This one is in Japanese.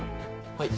はい。